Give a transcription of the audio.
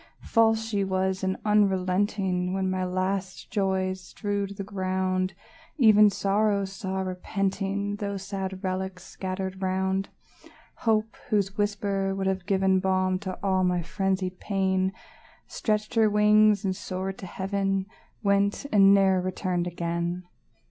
False she was, and unrelenting; When my last joys strewed the ground, Even Sorrow saw, repenting, Those sad relics scattered round; Hope, whose whisper would have given Balm to all my frenzied pain, Stretched her wings, and soared to heaven, Went, and ne'er returned again!